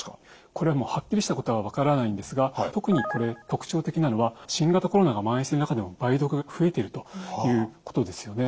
これはもうはっきりしたことは分からないんですが特にこれ特徴的なのは新型コロナがまん延している中でも梅毒増えているということですよね。